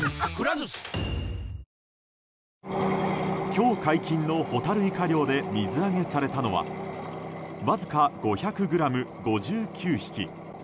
今日、解禁のホタルイカ漁で水揚げされたのはわずか５００ｇ、５９匹。